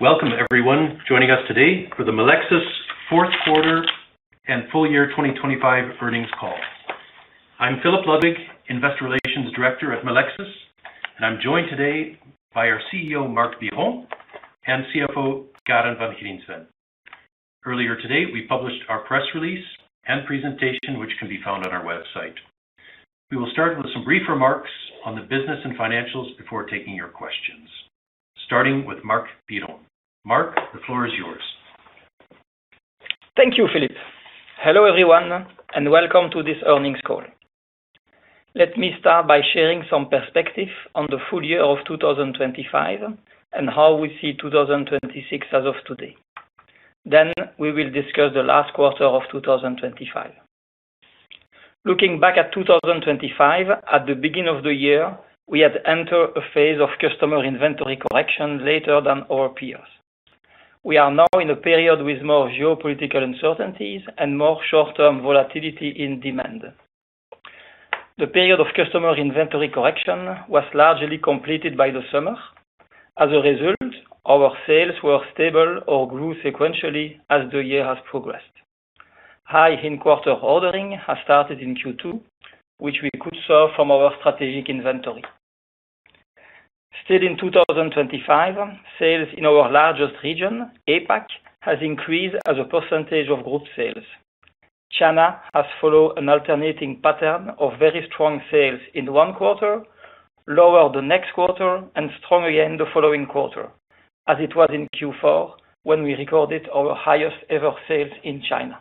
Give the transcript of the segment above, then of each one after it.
Welcome everyone joining us today for the Melexis Q4 and full year 2025 earnings call. I'm Philip Ludwig, Investor Relations Director at Melexis, and I'm joined today by our CEO, Marc Biron, and CFO, Karen Van Griensven. Earlier today, we published our press release and presentation, which can be found on our website. We will start with some brief remarks on the business and financials before taking your questions, starting with Marc Biron. Marc, the floor is yours. Thank you, Philip. Hello, everyone, and welcome to this earnings call. Let me start by sharing some perspective on the full year of 2025 and how we see 2026 as of today. Then we will discuss the last quarter of 2025. Looking back at 2025, at the beginning of the year, we had entered a phase of customer inventory correction later than our peers. We are now in a period with more geopolitical uncertainties and more short-term volatility in demand. The period of customer inventory correction was largely completed by the summer. As a result, our sales were stable or grew sequentially as the year has progressed. High in-quarter ordering has started in Q2, which we could serve from our strategic inventory. Still in 2025, sales in our largest region, APAC, has increased as a percentage of group sales. China has followed an alternating pattern of very strong sales in one quarter, lower the next quarter, and strong again the following quarter, as it was in Q4 when we recorded our highest ever sales in China.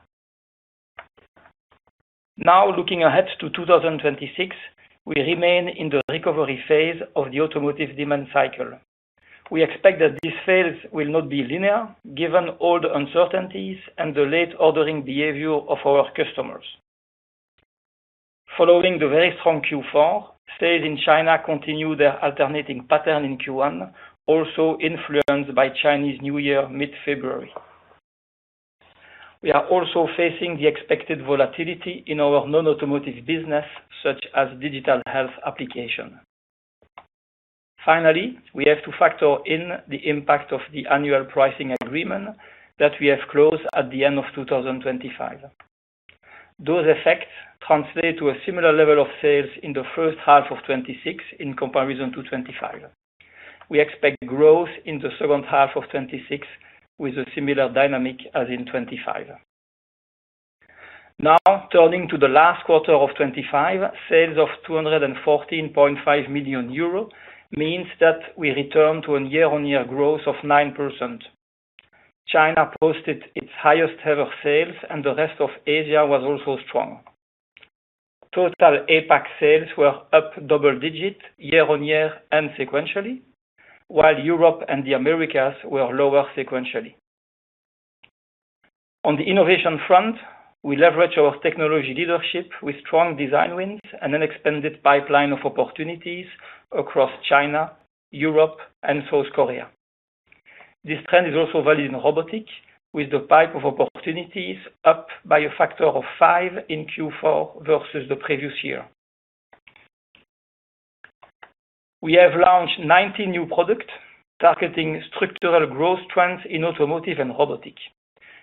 Now, looking ahead to 2026, we remain in the recovery phase of the automotive demand cycle. We expect that these sales will not be linear, given all the uncertainties and the late ordering behavior of our customers. Following the very strong Q4, sales in China continue their alternating pattern in Q1, also influenced by Chinese New Year, mid-February. We are also facing the expected volatility in our non-automotive business, such as digital health application. Finally, we have to factor in the impact of the annual pricing agreement that we have closed at the end of 2025. Those effects translate to a similar level of sales in the first half of 2026 in comparison to 2025. We expect growth in the second half of 2026 with a similar dynamic as in 2025. Now, turning to the last quarter of 2025, sales of 214.5 million euro means that we return to a year-on-year growth of 9%. China posted its highest ever sales, and the rest of Asia was also strong. Total APAC sales were up double-digit, year-on-year and sequentially, while Europe and the Americas were lower sequentially. On the innovation front, we leverage our technology leadership with strong design wins and an expanded pipeline of opportunities across China, Europe, and South Korea. This trend is also valid in robotics, with the pipeline of opportunities up by a factor of 5 in Q4 versus the previous year. We have launched 90 new products, targeting structural growth trends in automotive and robotics.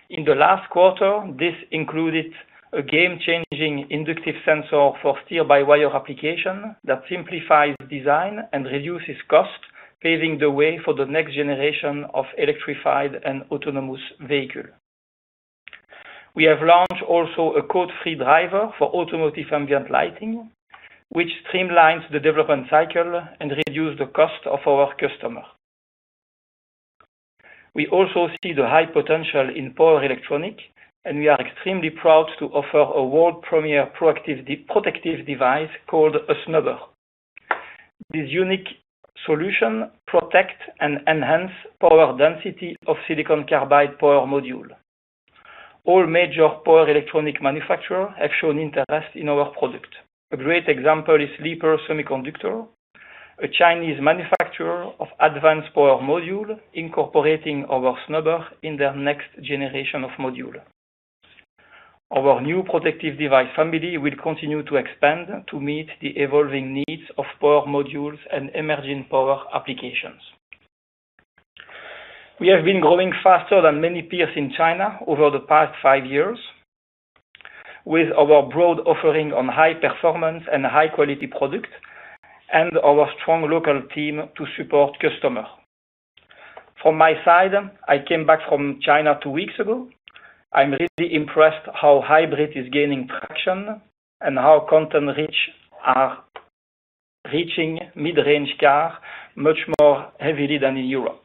In the last quarter, this included a game-changing inductive sensor for steer-by-wire application that simplifies design and reduces cost, paving the way for the next generation of electrified and autonomous vehicles. We have launched also a code-free driver for automotive ambient lighting, which streamlines the development cycle and reduces the cost of our customers. We also see the high potential in power electronics, and we are extremely proud to offer a world premiere proactive protective device called a snubber. This unique solution protects and enhances power density of silicon carbide power modules. All major power electronics manufacturers have shown interest in our product. A great example is Leapers Semiconductor, a Chinese manufacturer of advanced power module, incorporating our snubber in their next generation of module. Our new protective device family will continue to expand to meet the evolving needs of power modules and emerging power applications. We have been growing faster than many peers in China over the past five years, with our broad offering on high performance and high quality product, and our strong local team to support customer. From my side, I came back from China two weeks ago. I'm really impressed how hybrid is gaining traction and how content-rich cars are reaching mid-range cars much more heavily than in Europe.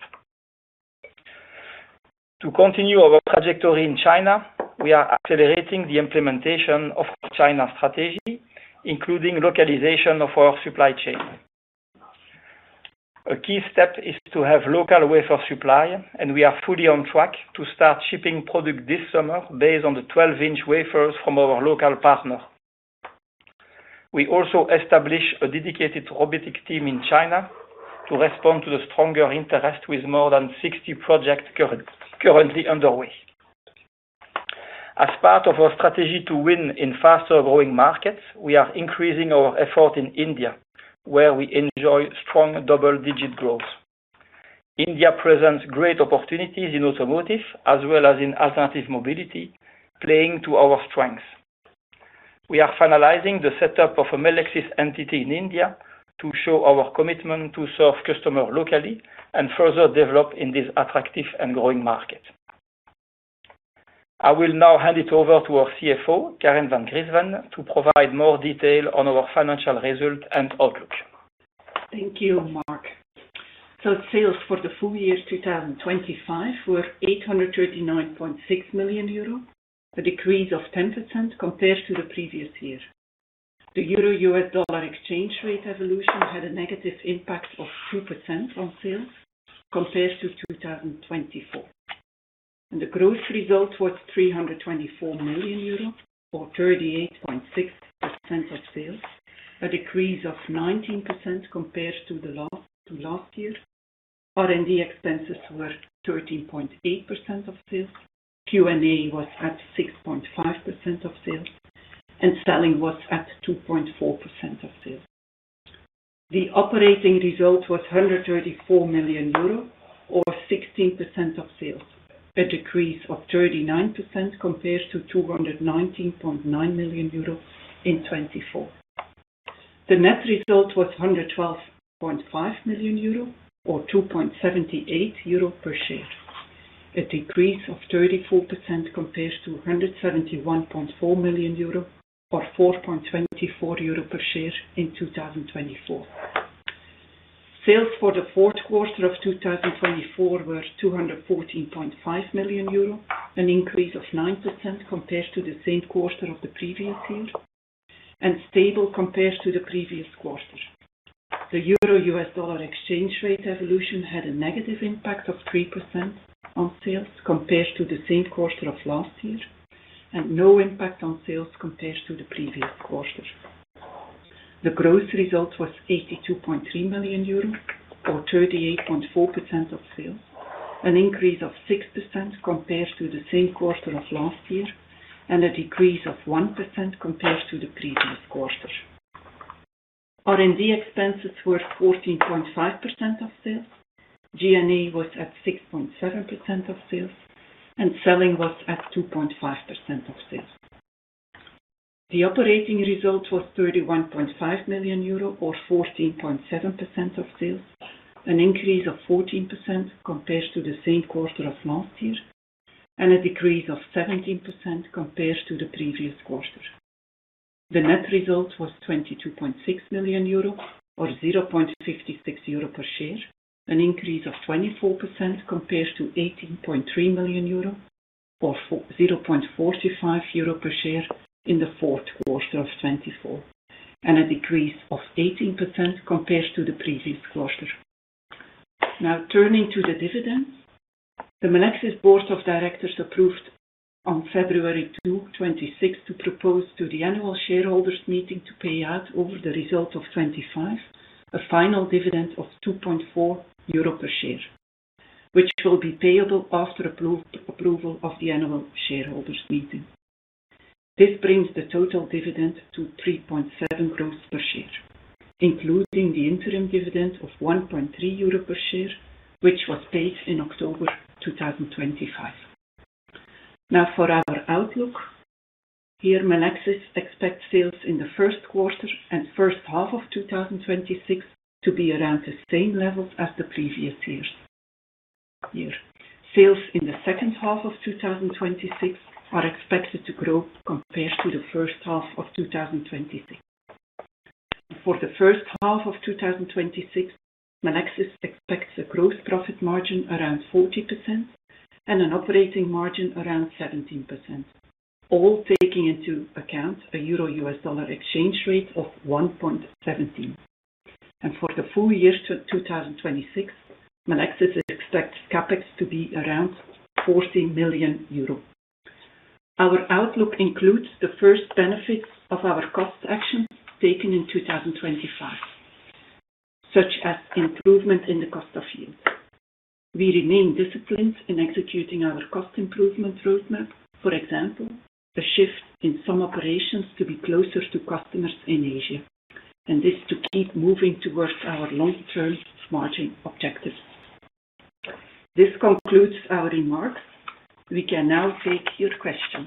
To continue our trajectory in China, we are accelerating the implementation of China strategy, including localization of our supply chain. A key step is to have local wafer supply, and we are fully on track to start shipping product this summer based on the 12-inch wafers from our local partner. We also establish a dedicated robotic team in China to respond to the stronger interest, with more than 60 projects currently underway. As part of our strategy to win in faster-growing markets, we are increasing our effort in India, where we enjoy strong double-digit growth. India presents great opportunities in automotive as well as in alternative mobility, playing to our strengths. We are finalizing the setup of a Melexis entity in India to show our commitment to serve customer locally and further develop in this attractive and growing market. I will now hand it over to our CFO, Karen Van Griensven, to provide more detail on our financial result and outlook. Thank you, Marc. So sales for the full year 2025 were 839.6 million euro, a decrease of 10% compared to the previous year. The euro/U.S. dollar exchange rate evolution had a negative impact of 2% on sales, compared to 2024. The gross result was 324 million euros, or 38.6% of sales, a decrease of 19% compared to last year. R&D expenses were 13.8% of sales, G&A was at 6.5% of sales, and selling was at 2.4% of sales. The operating result was 134 million euro or 16% of sales, a decrease of 39% compared to 219.9 million euros in 2024. The net result was 112.5 million euros or 2.78 euro per share, a decrease of 34% compared to 171.4 million euro or 4.24 euro per share in 2024. Sales for the Q4 of 2024 were 214.5 million euro, an increase of 9% compared to the same quarter of the previous year, and stable compared to the previous quarter. The euro/U.S. dollar exchange rate evolution had a negative impact of 3% on sales, compared to the same quarter of last year, and no impact on sales compared to the previous quarter. The gross result was 82.3 million euro, or 38.4% of sales, an increase of 6% compared to the same quarter of last year, and a decrease of 1% compared to the previous quarter. R&D expenses were 14.5% of sales, G&A was at 6.7% of sales, and selling was at 2.5% of sales. The operating result was 31.5 million euro or 14.7% of sales, an increase of 14% compared to the same quarter of last year, and a decrease of 17% compared to the previous quarter. The net result was 22.6 million euro or 0.56 euro per share, an increase of 24% compared to 18.3 million euro or 0.45 euro per share in the Q4 of 2024, and a decrease of 18% compared to the previous quarter. Now, turning to the dividends, the Melexis board of directors approved on February 2, 2026, to propose to the annual shareholders meeting to pay out over the result of 2025, a final dividend of 2.4 euro per share, which will be payable after approval of the annual shareholders meeting. This brings the total dividend to 3.7 gross per share, including the interim dividend of 1.3 euro per share, which was paid in October 2025. Now, for our outlook, here, Melexis expects sales in the Q1 and first half of 2026 to be around the same level as the previous year. Sales in the second half of 2026 are expected to grow compared to the first half of 2026. For the first half of 2026, Melexis expects a gross profit margin around 40% and an operating margin around 17%, all taking into account a euro/U.S. dollar exchange rate of 1.17. And for the full year to 2026, Melexis expects CapEx to be around 40 million euro. Our outlook includes the first benefits of our cost actions taken in 2025, such as improvement in the cost of yield. We remain disciplined in executing our cost improvement roadmap, for example, a shift in some operations to be closer to customers in Asia, and this to keep moving towards our long-term margin objectives. This concludes our remarks. We can now take your questions.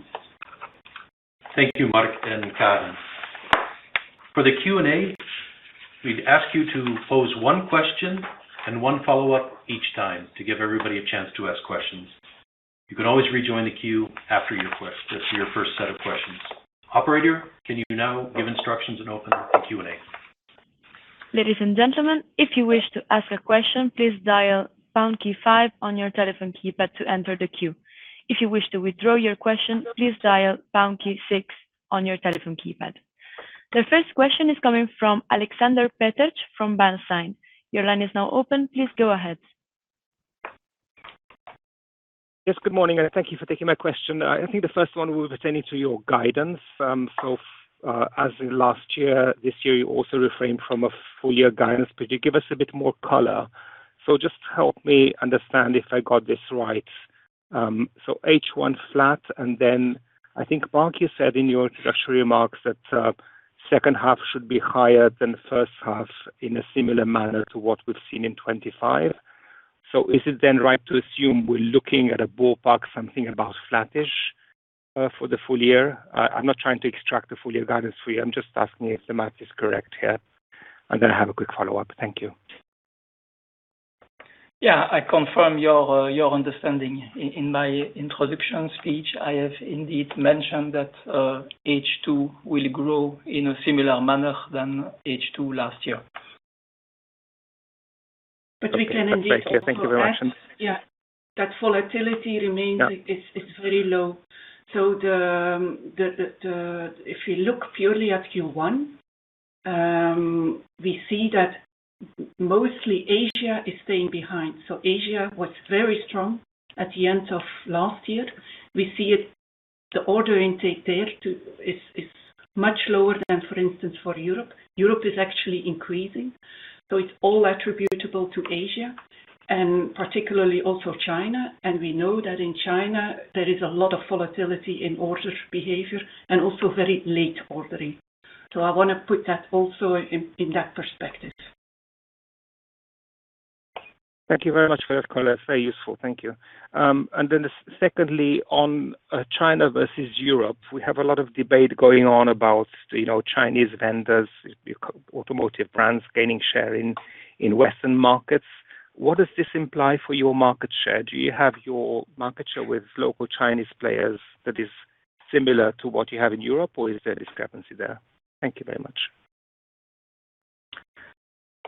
Thank you, Marc and Karen. For the Q&A, we'd ask you to pose one question and one follow-up each time to give everybody a chance to ask questions. You can always rejoin the queue after your first set of questions. Operator, can you now give instructions and open the Q&A? Ladies and gentlemen, if you wish to ask a question, please dial pound key five on your telephone keypad to enter the queue. If you wish to withdraw your question, please dial pound key six on your telephone keypad. The first question is coming from Aleksander Peterc from Bernstein. Your line is now open. Please go ahead. Yes, good morning, and thank you for taking my question. I think the first one will be pertaining to your guidance. So, as in last year, this year, you also refrained from a full year guidance. Could you give us a bit more color?... So just help me understand if I got this right. So H1 flat, and then I think Marc, you said in your introductory remarks that second half should be higher than the first half in a similar manner to what we've seen in 2025. So is it then right to assume we're looking at a ballpark, something about flattish for the full year? I'm not trying to extract the full year guidance for you. I'm just asking if the math is correct here. I'm gonna have a quick follow-up. Thank you. Yeah, I confirm your understanding. In my introduction speech, I have indeed mentioned that H2 will grow in a similar manner than H2 last year. But we can indeed also add- Thank you very much. Yeah. That volatility remains- Yeah. It's very low. So if you look purely at Q1, we see that mostly Asia is staying behind. So Asia was very strong at the end of last year. We see that the order intake there is much lower than, for instance, for Europe. Europe is actually increasing, so it's all attributable to Asia and particularly also China. And we know that in China there is a lot of volatility in order behavior and also very late ordering. So I want to put that also in that perspective. Thank you very much for that call. That's very useful. Thank you. And then secondly, on China versus Europe, we have a lot of debate going on about, you know, Chinese vendors, automotive brands gaining share in Western markets. What does this imply for your market share? Do you have your market share with local Chinese players that is similar to what you have in Europe, or is there a discrepancy there? Thank you very much.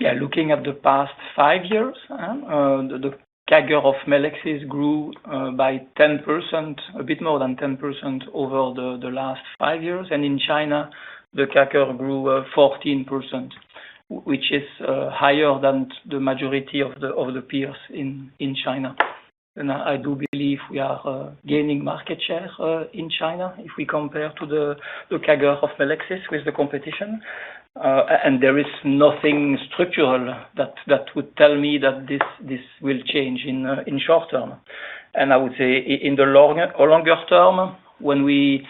Yeah, looking at the past five years, the CAGR of Melexis grew by 10%, a bit more than 10% over the last five years. And in China, the CAGR grew 14%, which is higher than the majority of the peers in China. And I do believe we are gaining market share in China if we compare to the CAGR of Melexis with the competition. And there is nothing structural that would tell me that this will change in short term. And I would say in the long or longer term, when we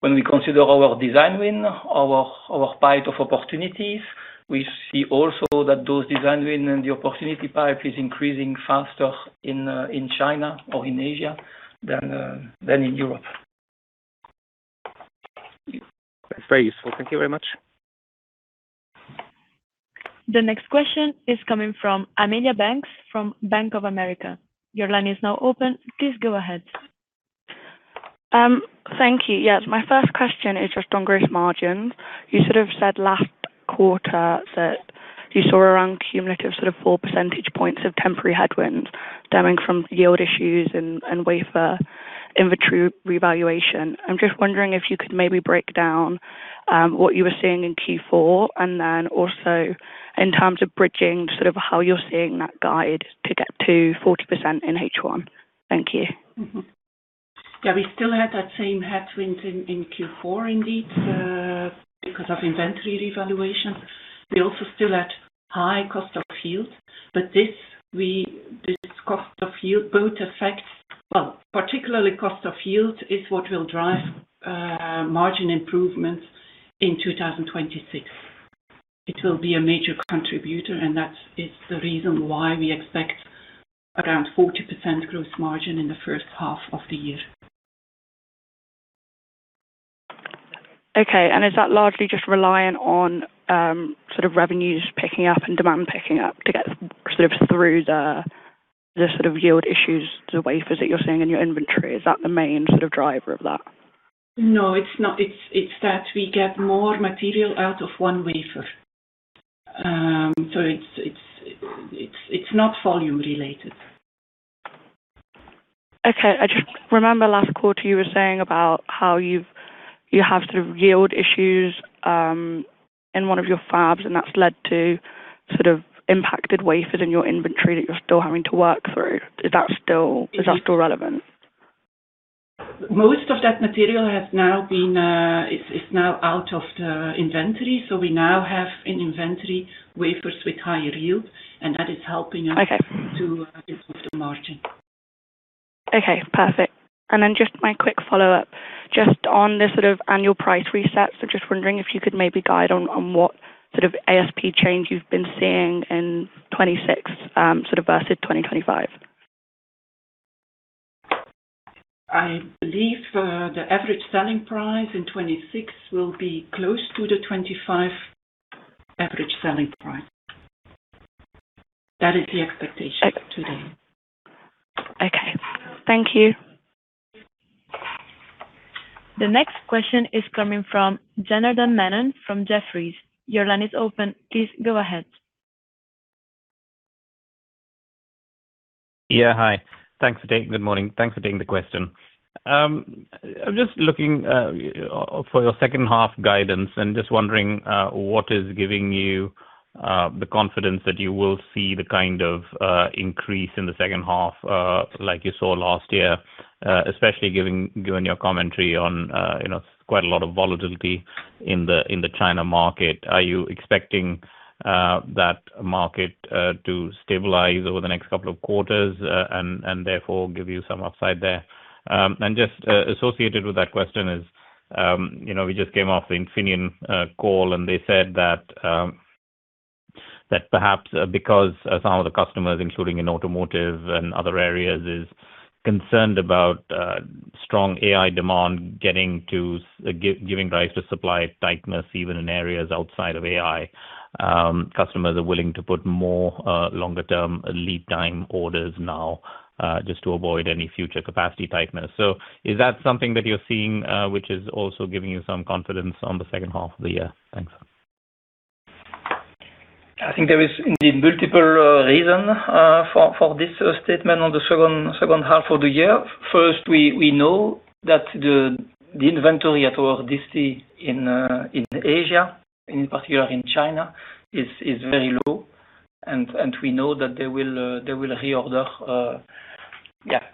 consider our design win, our pipe of opportunities, we see also that those design win and the opportunity pipe is increasing faster in China or in Asia than in Europe. That's very useful. Thank you very much. The next question is coming from Amelia Banks, from Bank of America. Your line is now open. Please go ahead. Thank you. Yes, my first question is just on gross margin. You sort of said last quarter that you saw around cumulative sort of 4 percentage points of temporary headwinds stemming from yield issues and, and wafer inventory revaluation. I'm just wondering if you could maybe break down what you were seeing in Q4, and then also in terms of bridging, sort of how you're seeing that guide to get to 40% in H1. Thank you. Mm-hmm. Yeah, we still had that same headwind in Q4 indeed, because of inventory revaluation. We also still had high cost of yield, but this cost of yield both affect... Well, particularly cost of yield is what will drive margin improvements in 2026. It will be a major contributor, and that is the reason why we expect around 40% gross margin in the first half of the year. Okay, and is that largely just reliant on, sort of revenues picking up and demand picking up to get sort of through the sort of yield issues, the wafers that you're seeing in your inventory? Is that the main sort of driver of that? No, it's not. It's that we get more material out of one wafer. So it's not volume related. Okay. I just remember last quarter you were saying about how you've, you have sort of yield issues in one of your fabs, and that's led to sort of impacted wafers in your inventory that you're still having to work through. Is that still- Yeah. Is that still relevant? Most of that material has now been. It's now out of the inventory, so we now have an inventory of wafers with higher yield, and that is helping us- Okay... to improve the margin. Okay, perfect. And then just my quick follow-up, just on the sort of annual price resets, I'm just wondering if you could maybe guide on, on what sort of ASP change you've been seeing in 2026, sort of versus 2025. I believe, the average selling price in 2026 will be close to the 2025 average selling price. That is the expectation today. Okay. Thank you. The next question is coming from Janardan Menon from Jefferies. Your line is open. Please go ahead. Good morning. Thanks for taking the question. I'm just looking for your second half guidance and just wondering what is giving you the confidence that you will see the kind of increase in the second half like you saw last year, especially given your commentary on, you know, quite a lot of volatility in the China market. Are you expecting that market to stabilize over the next couple of quarters and therefore give you some upside there? And just associated with that question is, you know, we just came off the Infineon call, and they said that that perhaps because some of the customers, including in automotive and other areas, is concerned about strong AI demand giving rise to supply tightness, even in areas outside of AI, customers are willing to put more longer term lead time orders now, just to avoid any future capacity tightness. So is that something that you're seeing, which is also giving you some confidence on the second half of the year? Thanks. I think there is indeed multiple reason for this statement on the second half of the year. First, we know that the inventory at our DC in Asia, in particular in China, is very low. And we know that they will reorder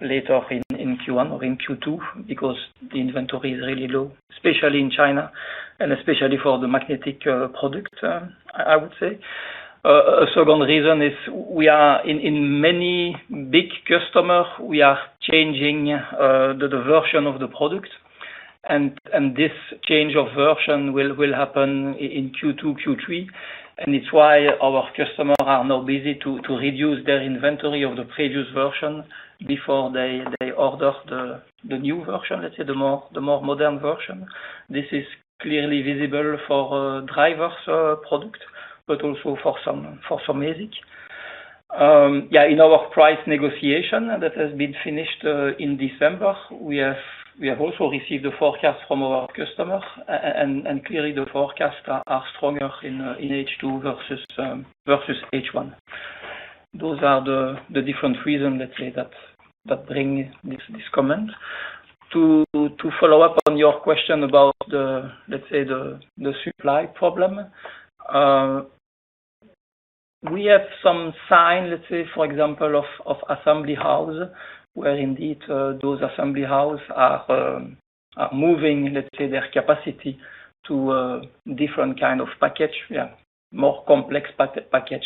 later in Q1 or in Q2, because the inventory is really low, especially in China, and especially for the magnetic product, I would say. A second reason is we are in many big customer, we are changing the version of the product. This change of version will happen in Q2, Q3, and it's why our customer are now busy to reduce their inventory of the previous version before they order the new version, let's say, the more modern version. This is clearly visible for driver products, but also for some basic. Yeah, in our price negotiation that has been finished in December, we have also received a forecast from our customer. And clearly, the forecast are stronger in H2 versus H1. Those are the different reason, let's say, that bring this comment. To follow up on your question about the, let's say, the supply problem. We have some sign, let's say, for example, of assembly house, where indeed, those assembly house are moving, let's say, their capacity to a different kind of package. Yeah, more complex package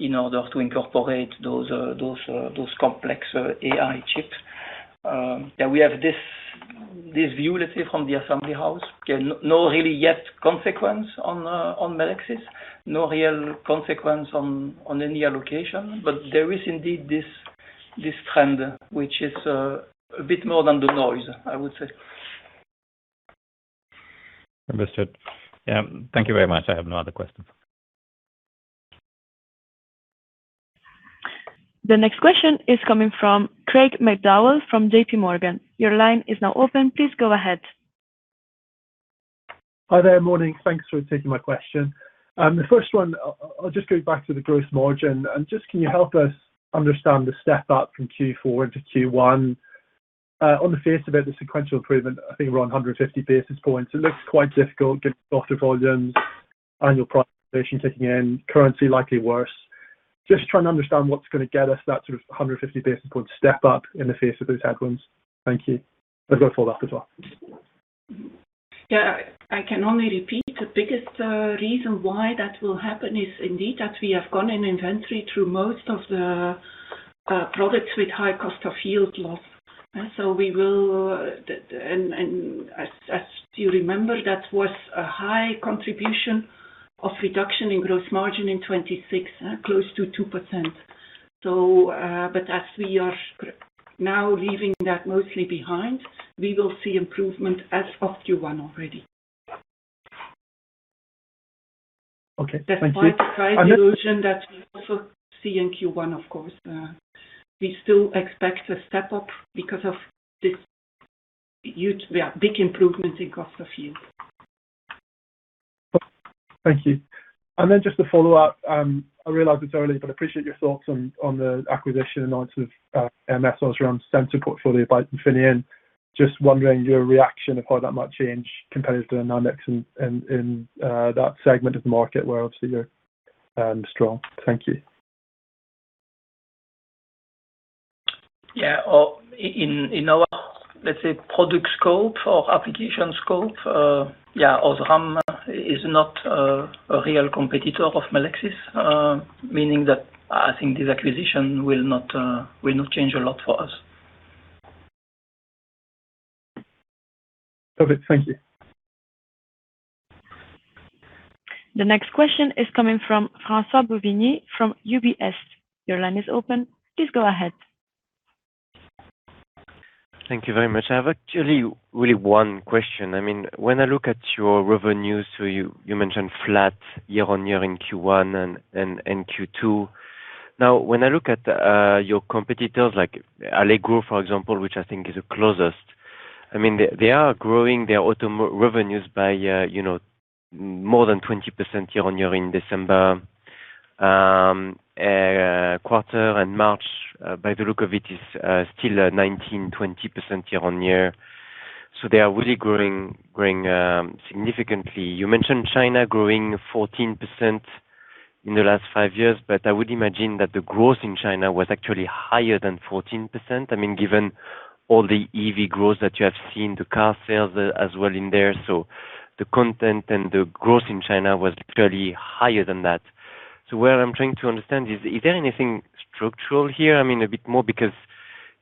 in order to incorporate those complex AI chips. Yeah, we have this view, let's say, from the assembly house. Okay, no real consequence yet on Melexis. No real consequence on any allocation, but there is indeed this trend, which is a bit more than the noise, I would say. Understood. Yeah. Thank you very much. I have no other questions. The next question is coming from Craig McDowell from JPMorgan. Your line is now open. Please go ahead. Hi there. Morning. Thanks for taking my question. The first one, I'll just go back to the gross margin. Just, can you help us understand the step up from Q4 into Q1? On the face of it, the sequential improvement, I think, around 150 basis points, it looks quite difficult given softer volumes, annual price inflation kicking in, currency likely worse. Just trying to understand what's gonna get us that sort of 150 basis point step up in the face of those headwinds. Thank you. But go for that as well. Yeah, I can only repeat, the biggest reason why that will happen is indeed that we have gone in inventory through most of the products with high cost of yield loss. So we will. And as you remember, that was a high contribution of reduction in gross margin in 2026 close to 2%. So, but as we are now leaving that mostly behind, we will see improvement as of Q1 already. Okay, thank you. That's why the version that we also see in Q1, of course. We still expect a step up because of this huge, yeah, big improvement in cost of yield. Thank you. And then just to follow up, I realize it's early, but appreciate your thoughts on the acquisition in light of ams OSRAM sensor portfolio by Infineon. Just wondering your reaction of how that might change competitive dynamics in that segment of the market where obviously you're strong. Thank you. Yeah. In our, let's say, product scope or application scope, yeah, OSRAM is not a real competitor of Melexis. Meaning that I think this acquisition will not change a lot for us. Perfect. Thank you. The next question is coming from François Bouvignies from UBS. Your line is open. Please go ahead. Thank you very much. I have actually really one question. I mean, when I look at your revenues, so you mentioned flat year-on-year in Q1 and in Q2. Now, when I look at your competitors, like Allegro, for example, which I think is the closest, I mean, they are growing their automotive revenues by, you know, more than 20% year-on-year in December.... quarter and March, by the look of it, is still 19%-20% year-on-year. So they are really growing, growing significantly. You mentioned China growing 14% in the last five years, but I would imagine that the growth in China was actually higher than 14%. I mean, given all the EV growth that you have seen, the car sales as well in there, so the content and the growth in China was literally higher than that. So what I'm trying to understand is, is there anything structural here? I mean, a bit more because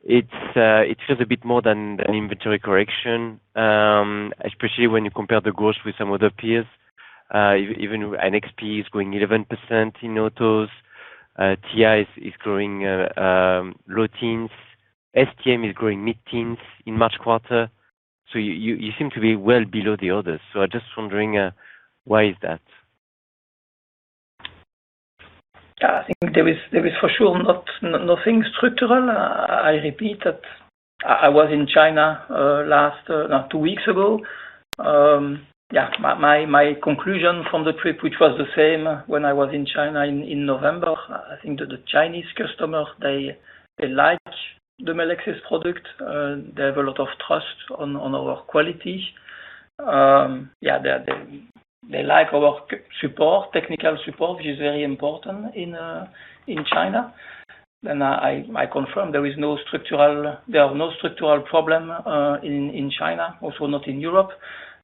it's, it feels a bit more than an inventory correction, especially when you compare the growth with some other peers. Even NXP is growing 11% in autos. TI is growing low teens. STM is growing mid-teens in March quarter. So you seem to be well below the others. So I'm just wondering, why is that? I think there is for sure not nothing structural. I repeat that I was in China last two weeks ago. Yeah, my conclusion from the trip, which was the same when I was in China in November. I think that the Chinese customers they like the Melexis product, they have a lot of trust on our quality. Yeah, they like our customer support, technical support, which is very important in China. Then I confirm there is no structural. There are no structural problem in China, also not in Europe.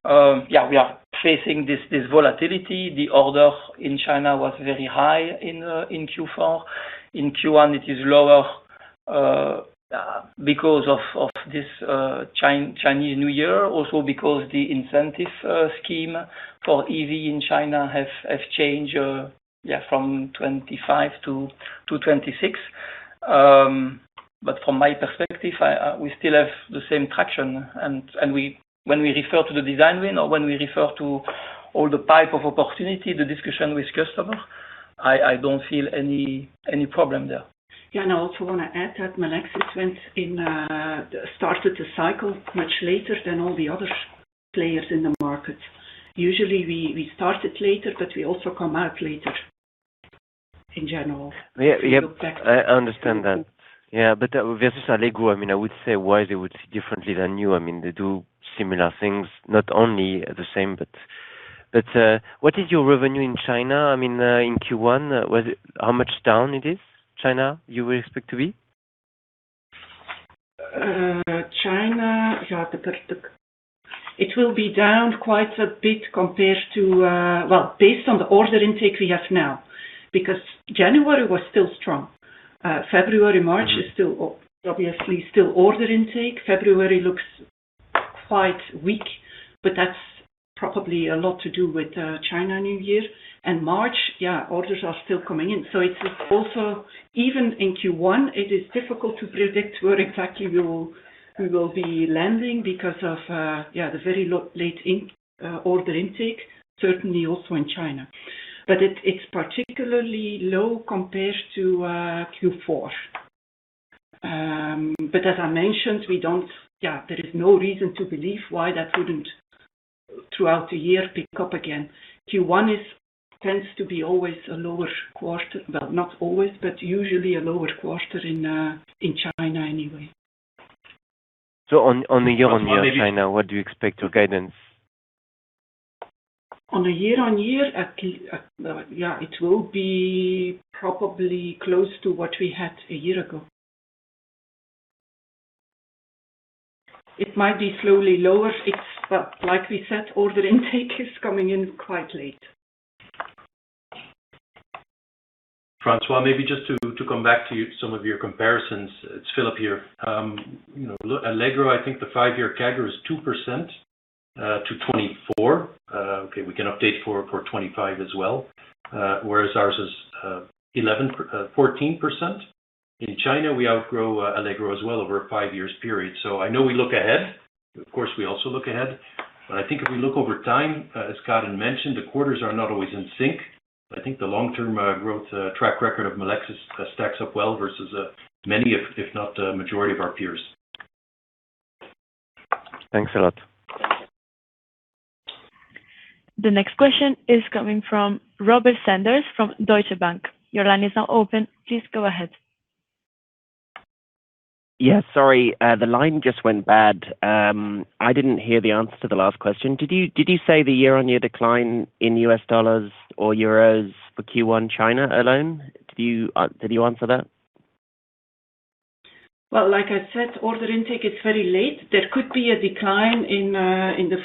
Yeah, we are facing this volatility. The order in China was very high in Q4. In Q1, it is lower because of this Chinese New Year, also because the incentive scheme for EV in China have changed from 2025 to 2026. But from my perspective, we still have the same traction. And when we refer to the design win, or when we refer to all the type of opportunity, the discussion with customer, I don't feel any problem there. Yeah, and I also want to add that Melexis went in, started the cycle much later than all the other players in the market. Usually, we started later, but we also come out later, in general. Yeah. Yep, I understand that. Yeah, but versus Allegro, I mean, I would say why they would see differently than you. I mean, they do similar things, not only the same, but what is your revenue in China? I mean, in Q1, where, how much down it is, China, you expect to be? China, yeah. It will be down quite a bit compared to... Well, based on the order intake we have now, because January was still strong. February, March is still, obviously, order intake. February looks quite weak, but that's probably a lot to do with Chinese New Year. And March, yeah, orders are still coming in. So it's also, even in Q1, it is difficult to predict where exactly we will be landing because of the very late incoming order intake, certainly also in China. But it's particularly low compared to Q4. But as I mentioned, we don't... There is no reason to believe why that wouldn't, throughout the year, pick up again. Q1 tends to be always a lower quarter, well, not always, but usually a lower quarter in China anyway. So on a year-on-year, China, what do you expect your guidance? On a year-on-year, yeah, it will be probably close to what we had a year ago. It might be slowly lower, it's, but like we said, order intake is coming in quite late. François, maybe just to come back to you, some of your comparisons. It's Philip here. You know, Allegro, I think the five-year CAGR is 2% to 2024. Okay, we can update for 2025 as well, whereas ours is 11, 14%. In China, we outgrow Allegro as well over a five years period. So I know we look ahead, of course, we also look ahead, but I think if we look over time, as Karen mentioned, the quarters are not always in sync. I think the long-term growth track record of Melexis stacks up well versus many, if not the majority of our peers. Thanks a lot. The next question is coming from Robert Sanders, from Deutsche Bank. Your line is now open. Please go ahead. Yeah, sorry, the line just went bad. I didn't hear the answer to the last question. Did you, did you say the year-on-year decline in U.S. dollars or euros for Q1 China alone? Did you answer that? Well, like I said, order intake is very late. There could be a decline in the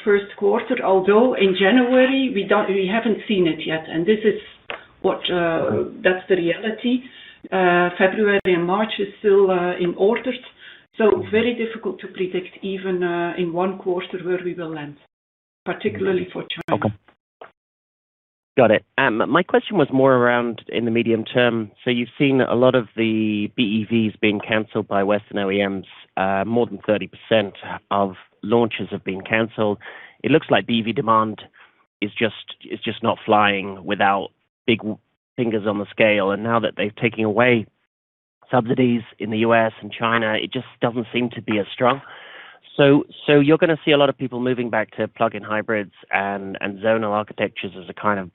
Q1, although in January, we don't-- we haven't seen it yet, and this is what, that's the reality. February and March is still in orders, so very difficult to predict, even in one quarter, where we will land, particularly for China. Okay. Got it. My question was more around in the medium term. So you've seen a lot of the BEVs being canceled by Western OEMs, more than 30% of launches have been canceled. It looks like BEV demand is just not flying without big fingers on the scale, and now that they've taken away subsidies in the US and China, it just doesn't seem to be as strong. So you're gonna see a lot of people moving back to plug-in hybrids and zonal architectures as a kind of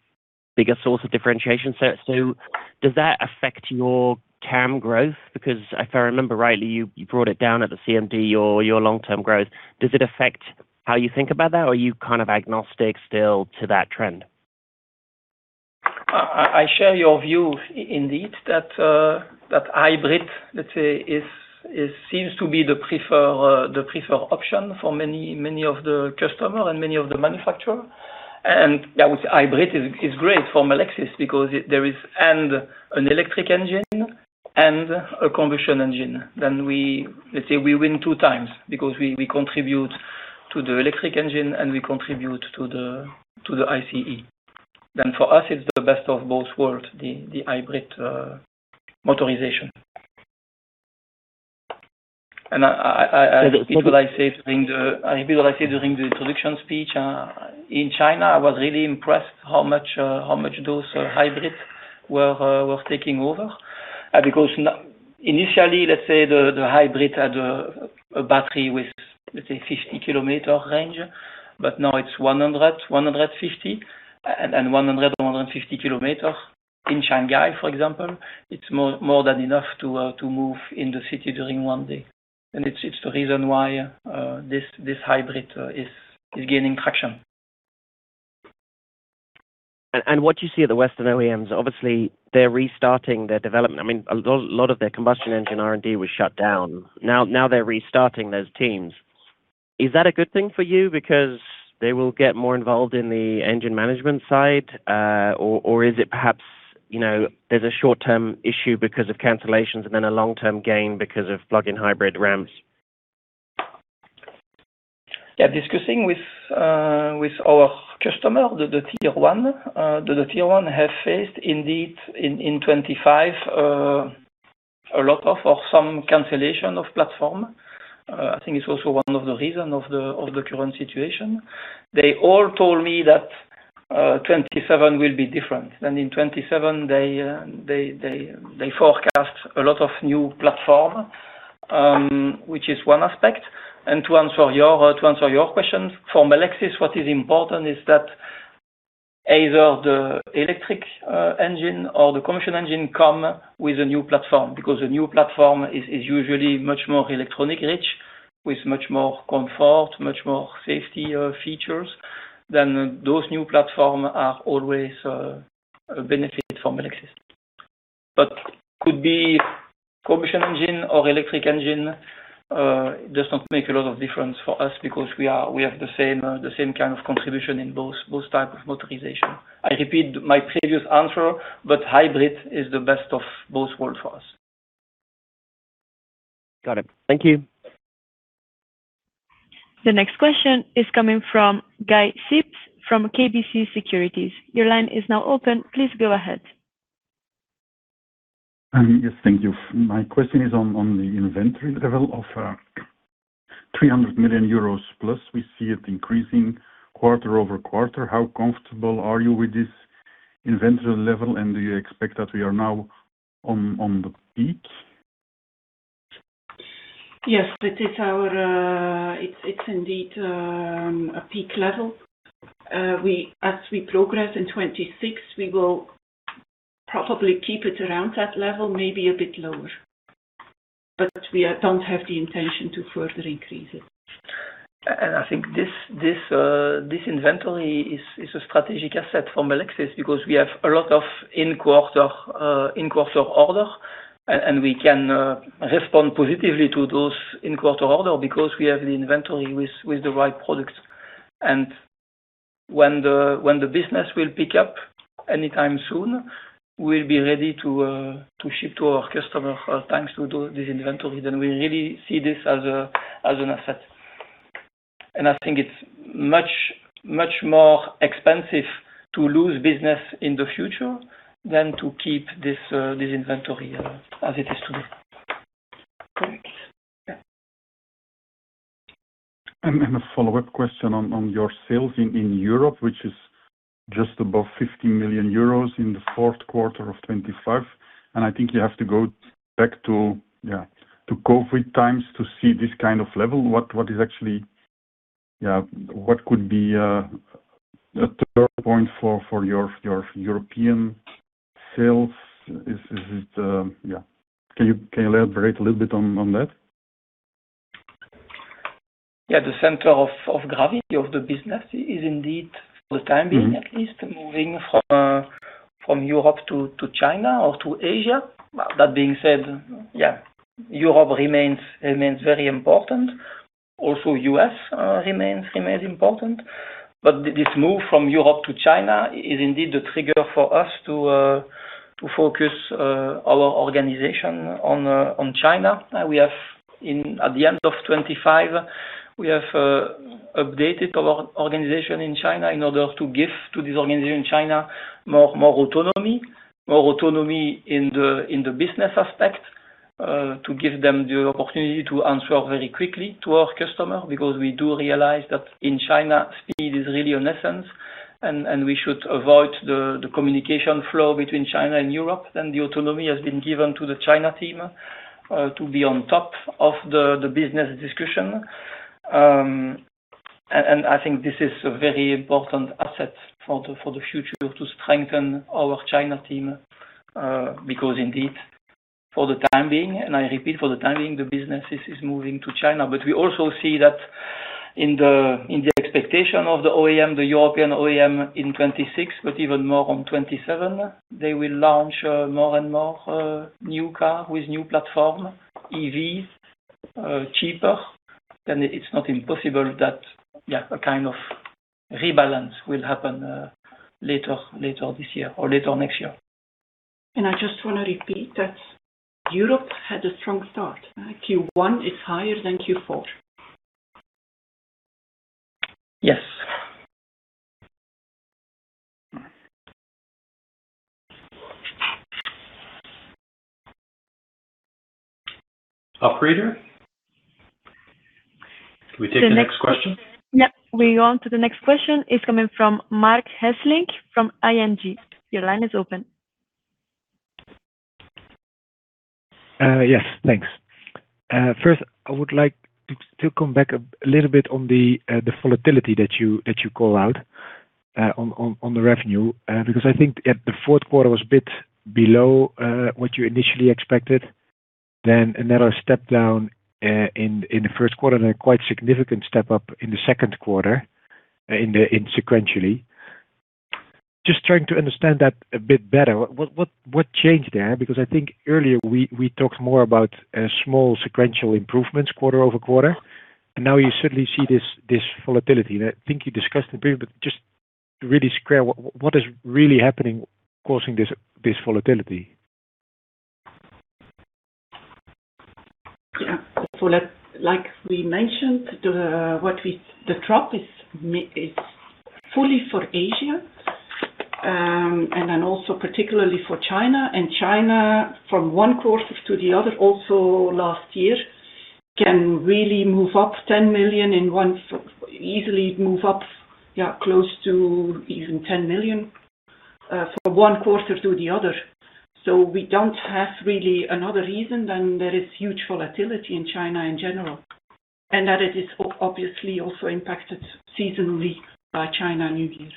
bigger source of differentiation. So does that affect your TAM growth? Because if I remember rightly, you brought it down at the CMD, your long-term growth. Does it affect how you think about that, or are you kind of agnostic still to that trend? I share your view indeed, that hybrid, let's say, seems to be the preferred option for many, many of the customer and many of the manufacturer. And yeah, hybrid is great for Melexis because there is an electric engine and a combustion engine. Then, let's say, we win two times because we contribute to the electric engine, and we contribute to the ICE. Then for us, it's the best of both worlds, the hybrid motorization. And as I said during the introduction speech in China, I was really impressed how much those hybrids were taking over. Because initially, let's say, the hybrid had a battery with, let's say, 50 km range, but now it's 100-150 km. In Shanghai, for example, it's more than enough to move in the city during one day. And it's the reason why this hybrid is gaining traction. And what you see at the western OEMs, obviously, they're restarting their development. I mean, a lot of their combustion engine R&D was shut down. Now they're restarting those teams. Is that a good thing for you because they will get more involved in the engine management side, or is it perhaps, you know, there's a short-term issue because of cancellations and then a long-term gain because of plug-in hybrid ramps? Yeah, discussing with our customer, the Tier 1, the Tier 1 have faced indeed in 2025 a lot of or some cancellation of platform. I think it's also one of the reason of the current situation. They all told me that 2027 will be different, and in 2027 they forecast a lot of new platform, which is one aspect. And to answer your questions, for Melexis, what is important is that either the electric engine or the combustion engine come with a new platform, because the new platform is usually much more electronic rich, with much more comfort, much more safety features. Then those new platform are always a benefit from Melexis. But could be combustion engine or electric engine, does not make a lot of difference for us because we have the same, the same kind of contribution in both, both type of motorization. I repeat my previous answer, but hybrid is the best of both world for us. Got it. Thank you. The next question is coming from Guy Sips from KBC Securities. Your line is now open. Please go ahead. Yes, thank you. My question is on the inventory level of 300+ million euros. We see it increasing quarter-over-quarter. How comfortable are you with this inventory level, and do you expect that we are now on the peak? Yes, it is our. It is indeed a peak level. As we progress in 2026, we will probably keep it around that level, maybe a bit lower. But we don't have the intention to further increase it. I think this inventory is a strategic asset for Melexis because we have a lot of in quarter order, and we can respond positively to those in quarter order because we have the inventory with the right products. When the business will pick up anytime soon, we'll be ready to ship to our customer thanks to this inventory. We really see this as an asset. I think it's much more expensive to lose business in the future than to keep this inventory as it is today. Correct. Yeah. And a follow-up question on your sales in Europe, which is just above 50 million euros in the Q4 of 2025. I think you have to go back to COVID times to see this kind of level. What is actually... What could be a turning point for your European sales? Is it. Can you elaborate a little bit on that? Yeah, the center of gravity of the business is indeed, for the time being, at least, moving from Europe to China or to Asia. That being said, yeah, Europe remains very important. Also U.S. remains important. But this move from Europe to China is indeed a trigger for us to focus our organization on China. We have, at the end of 2025, updated our organization in China in order to give to this organization in China more autonomy. More autonomy in the business aspect to give them the opportunity to answer very quickly to our customer, because we do realize that in China, speed is really an essence. And we should avoid the communication flow between China and Europe, then the autonomy has been given to the China team to be on top of the business discussion. And I think this is a very important asset for the future to strengthen our China team, because indeed, for the time being, and I repeat, for the time being, the business is moving to China. But we also see that in the expectation of the OEM, the European OEM, in 2026, but even more on 2027, they will launch more and more new car with new platform, EVs, cheaper, then it's not impossible that, yeah, a kind of rebalance will happen later, later this year or later next year. I just wanna repeat that Europe had a strong start. Q1 is higher than Q4. Yes. Operator, can we take the next question? Yep. We go on to the next question. It's coming from Marc Hesselink from ING. Your line is open. Yes, thanks. First, I would like to come back a little bit on the volatility that you call out on the revenue, because I think the Q4 was a bit below what you initially expected, then another step down in the Q1, and a quite significant step up in the Q2 sequentially. Just trying to understand that a bit better. What changed there? Because I think earlier we talked more about small sequential improvements quarter over quarter, and now you suddenly see this volatility. And I think you discussed a bit, but just really square what is really happening causing this volatility? Yeah. So, like we mentioned, the drop is mainly for Asia, and then also particularly for China. And China, from one quarter to the other, also last year, can really move up 10 million in one easily move up, yeah, close to even 10 million, from one quarter to the other. So we don't have really another reason than there is huge volatility in China in general, and that it is obviously also impacted seasonally by Chinese New Year.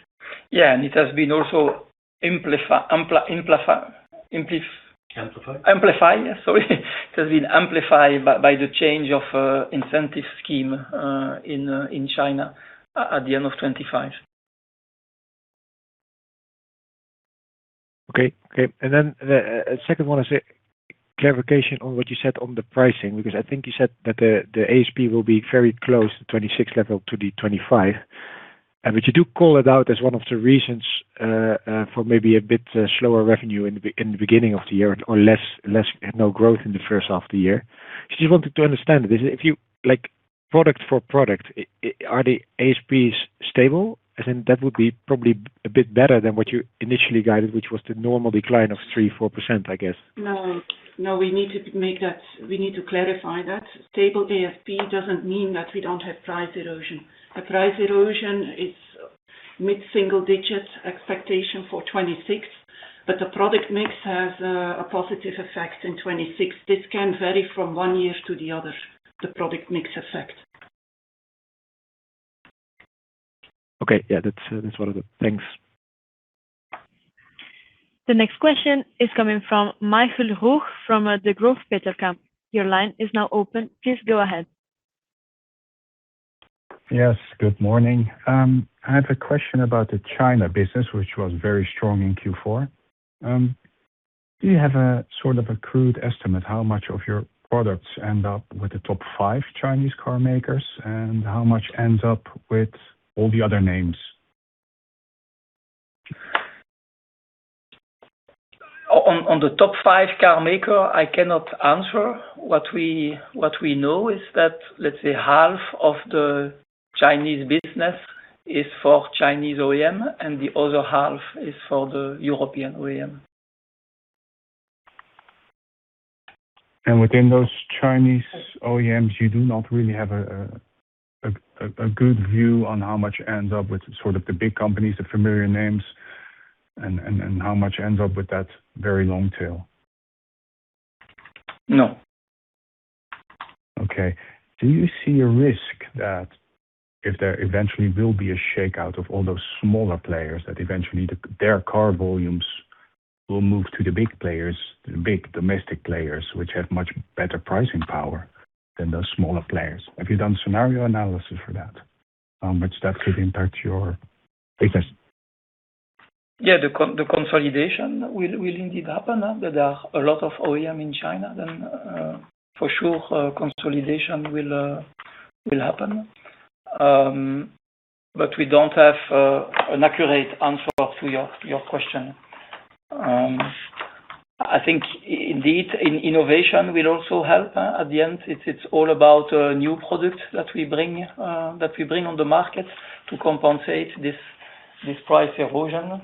Yeah, it has been also. Amplified? Amplified, yes. Sorry, it has been amplified by the change of incentive scheme in China at the end of 2025. Okay. Okay, and then the second one is a clarification on what you said on the pricing, because I think you said that the ASP will be very close to 26 level, to the 25. But you do call it out as one of the reasons for maybe a bit slower revenue in the beginning of the year, or less, no growth in the first half of the year. Just wanted to understand this. If you, like, product for product, are the ASPs stable? I think that would be probably a bit better than what you initially guided, which was the normal decline of 3%-4%, I guess. No. No, we need to make that—we need to clarify that. Stable ASP doesn't mean that we don't have price erosion. The price erosion, it's mid-single digit expectation for 2026, but the product mix has a positive effect in 2026. This can vary from one year to the other, the product mix effect. Okay. Yeah, that's, that's one of the things. The next question is coming from Michael Roeg, from the Degroof Petercam. Your line is now open. Please go ahead. Yes, good morning. I have a question about the China business, which was very strong in Q4. Do you have a sort of a crude estimate, how much of your products end up with the top five Chinese car makers, and how much ends up with all the other names? On the top five car maker, I cannot answer. What we know is that, let's say, half of the Chinese business is for Chinese OEM, and the other half is for the European OEM. Within those Chinese OEMs, you do not really have a good view on how much ends up with sort of the big companies, the familiar names, and how much ends up with that very long tail? No. Okay. Do you see a risk that if there eventually will be a shakeout of all those smaller players, that eventually their car volumes will move to the big players, the big domestic players, which have much better pricing power than those smaller players? Have you done scenario analysis for that, how much that could impact your business? Yeah, the consolidation will, will indeed happen, there are a lot of OEM in China, then, for sure, consolidation will, will happen. But we don't have, an accurate answer to your, your question. I think indeed, innovation will also help, at the end. It's, it's all about, new products that we bring, that we bring on the market to compensate this, this price erosion.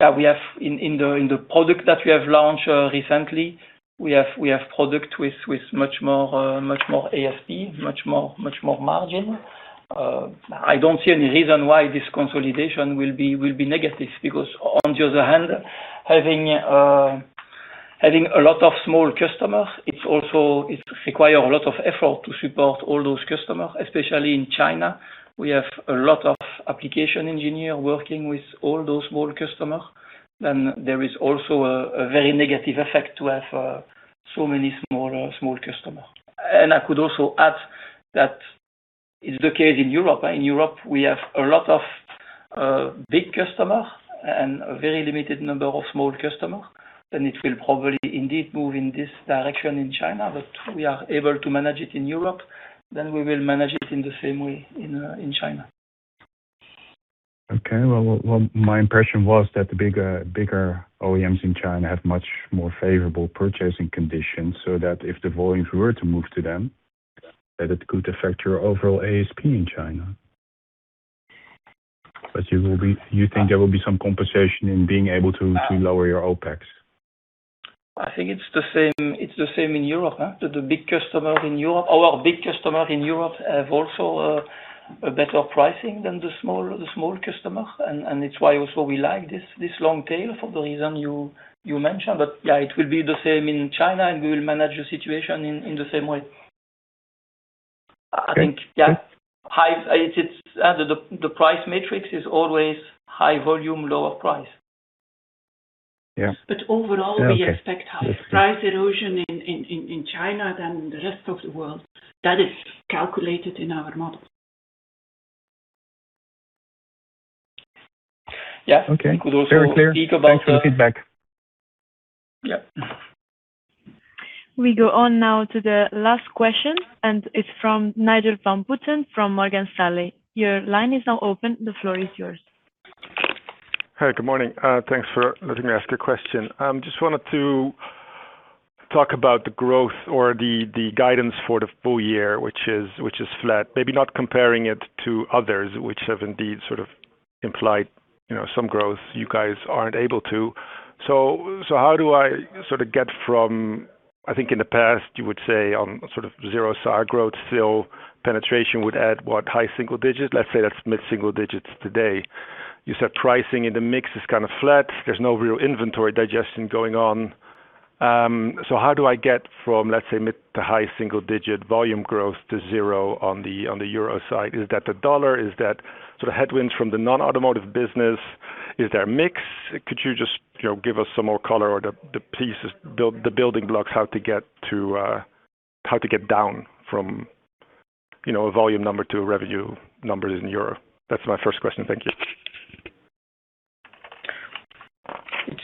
Yeah, we have in, in the, in the product that we have launched, recently, we have, we have product with, with much more, much more ASP, much more, much more margin. I don't see any reason why this consolidation will be negative, because on the other hand, having a lot of small customers, it's also it require a lot of effort to support all those customers, especially in China. We have a lot of applications engineer working with all those small customers. Then there is also a very negative effect to have so many small customers. And I could also add that it's the case in Europe. In Europe, we have a lot of big customers and a very limited number of small customers, and it will probably indeed move in this direction in China. But we are able to manage it in Europe, then we will manage it in the same way in China. Okay. Well, well, my impression was that the bigger, bigger OEMs in China have much more favorable purchasing conditions, so that if the volumes were to move to them, that it could affect your overall ASP in China. But you will be. You think there will be some compensation in being able to, to lower your OpEx? I think it's the same, it's the same in Europe, huh? That the big customers in Europe. Our big customers in Europe have also a, a better pricing than the small, the small customers, and, and it's why also we like this, this long tail for the reason you, you mentioned. But yeah, it will be the same in China, and we will manage the situation in, in the same way. Okay. I think, yeah, it's high. It's the pricing matrix is always high volume, lower price. Yeah. But overall- Okay. We expect high price erosion in China than the rest of the world. That is calculated in our model. Yeah. Okay. We could also- Very clear. Thanks for the feedback. Yeah. We go on now to the last question, and it's from Nigel van Putten, from Morgan Stanley. Your line is now open. The floor is yours. Hi, good morning. Thanks for letting me ask a question. Just wanted to talk about the growth or the guidance for the full year, which is flat. Maybe not comparing it to others, which have indeed sort of implied, you know, some growth, you guys aren't able to. So how do I sort of get from... I think in the past, you would say on sort of zero CAGR growth, still penetration would add, what? High single digits. Let's say that's mid-single digits today. You said pricing in the mix is kind of flat. There's no real inventory digestion going on. So how do I get from, let's say, mid- to high-single-digit volume growth to zero on the euro side? Is that the dollar? Is that sort of headwinds from the non-automotive business? Is there a mix? Could you just, you know, give us some more color or the, the pieces, build, the building blocks, how to get to, how to get down from, you know, a volume number to a revenue numbers in Europe? That's my first question. Thank you.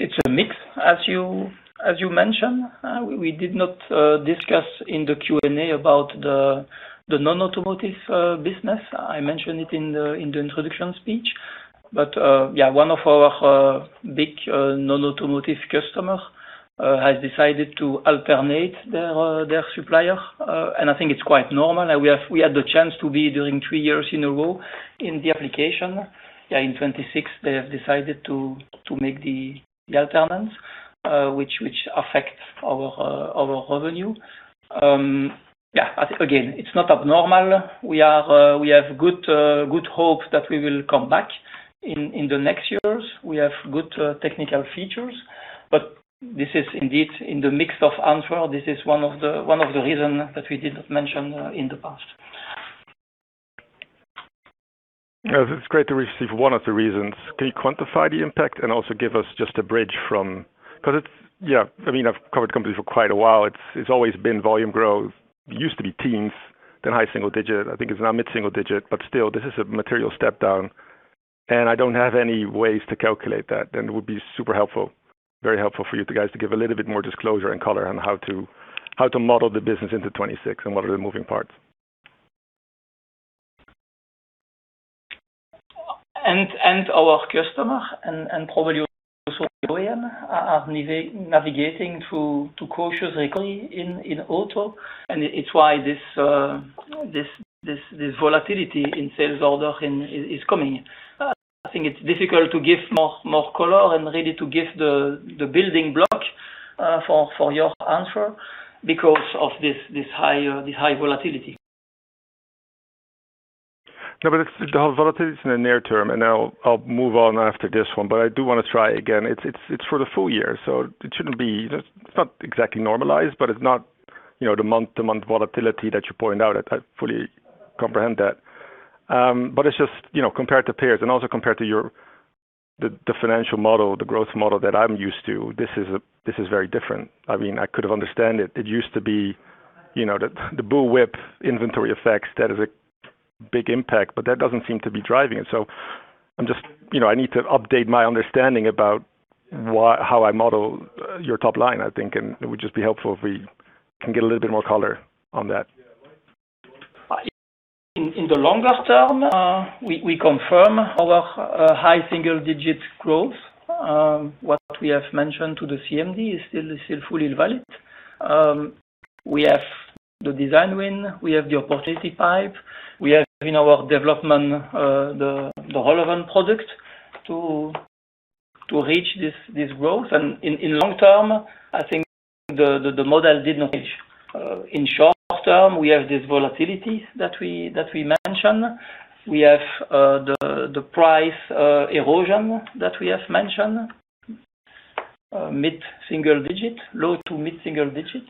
It's a mix. As you mentioned, we did not discuss in the Q&A about the non-automotive business. I mentioned it in the introduction speech. But yeah, one of our big non-automotive customer has decided to alternate their supplier, and I think it's quite normal. We had the chance to be during three years in a row in the application. Yeah, in 2026, they have decided to make the alternate, which affects our revenue. Yeah, again, it's not abnormal. We have good hope that we will come back in the next years. We have good technical features, but this is indeed in the mix of answer. This is one of the reason that we didn't mention in the past. Yeah, it's great to receive one of the reasons. Can you quantify the impact and also give us just a bridge from... 'Cause it's, yeah, I mean, I've covered companies for quite a while. It's, it's always been volume growth. It used to be teens, then high single digit. I think it's now mid-single digit, but still, this is a material step down, and I don't have any ways to calculate that. Then it would be super helpful, very helpful for you guys to give a little bit more disclosure and color on how to, how to model the business into 2026 and what are the moving parts. Our customer, and probably also OEM, are navigating through a cautious recovery in auto, and it's why this volatility in sales order intake is coming. I think it's difficult to give more color and really to give the building block for your answer, because of this high volatility. No, but it's the whole volatility is in the near term, and I'll move on after this one, but I do want to try again. It's for the full year, so it shouldn't be... It's not exactly normalized, but it's not, you know, the month-to-month volatility that you pointed out. I fully comprehend that. But it's just, you know, compared to peers and also compared to your the financial model, the growth model that I'm used to, this is very different. I mean, I could have understand it. It used to be, you know, the bullwhip inventory effects, that is a big impact, but that doesn't seem to be driving it. So I'm just, you know, I need to update my understanding about why, how I model your top line, I think, and it would just be helpful if we can get a little bit more color on that. In the longer term, we confirm our high single-digit growth. What we have mentioned to the CMD is still fully valid. We have the design win, we have the opportunity pipe, we have in our development the relevant product to reach this growth. And in long term, I think the model did not reach. In short term, we have this volatility that we mentioned. We have the price erosion that we have mentioned, mid-single digit, low to mid-single digit.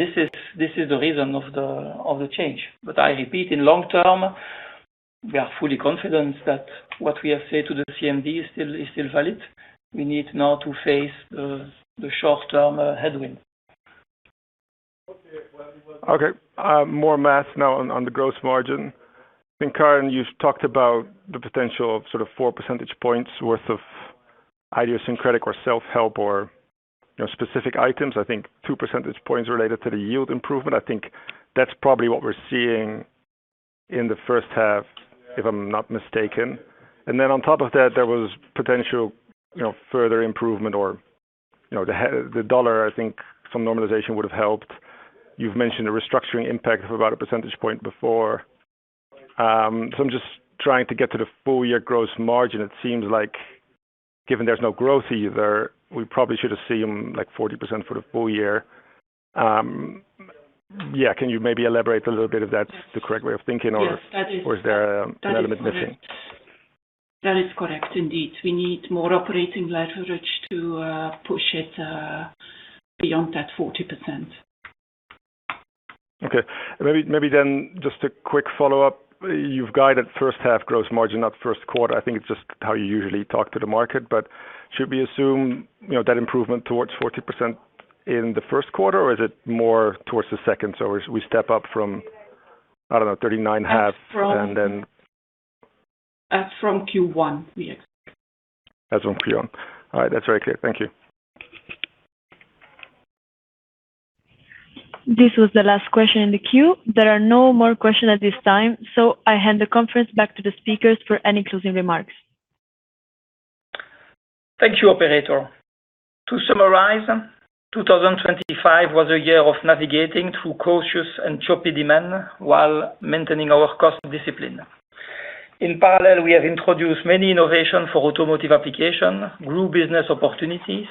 This is the reason of the change. But I repeat, in long term, we are fully confident that what we have said to the CMD is still valid. We need now to face the short-term headwind. Okay, more math now on the gross margin. I think, Karen, you've talked about the potential of sort of 4 percentage points worth of idiosyncratic or self-help or, you know, specific items. I think 2 percentage points related to the yield improvement. I think that's probably what we're seeing in the first half, if I'm not mistaken. And then on top of that, there was potential, you know, further improvement or, you know, the dollar. I think some normalization would have helped. You've mentioned a restructuring impact of about a percentage point before. So I'm just trying to get to the full year gross margin. It seems like given there's no growth either, we probably should have seen like 40% for the full year. Yeah, can you maybe elaborate a little bit if that's the correct way of thinking or- Yes, that is- Or is there an element missing? That is correct. That is correct, indeed. We need more operating leverage to push it beyond that 40%. Okay. Maybe, maybe then just a quick follow-up. You've guided first half gross margin, not Q1. I think it's just how you usually talk to the market. But should we assume, you know, that improvement towards 40% in the Q1, or is it more towards the second, so we, we step up from, I don't know, 39 half, and then- As from Q1, we expect. As from Q1. All right, that's very clear. Thank you. This was the last question in the queue. There are no more questions at this time, so I hand the conference back to the speakers for any closing remarks. Thank you, operator. To summarize, 2025 was a year of navigating through cautious and choppy demand while maintaining our cost discipline. In parallel, we have introduced many innovation for automotive application, grew business opportunities,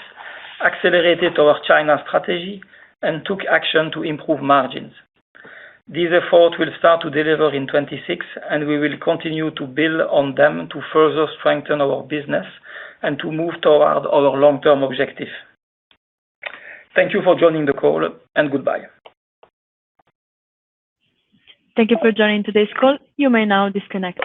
accelerated our China strategy, and took action to improve margins. These efforts will start to deliver in 2026, and we will continue to build on them to further strengthen our business and to move toward our long-term objective. Thank you for joining the call, and goodbye. Thank you for joining today's call. You may now disconnect.